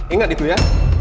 ingat itu ya